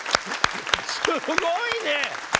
すごいね！